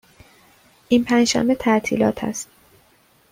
این پنج شنبه تعطیلات است.